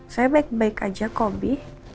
saya baik baik aja koby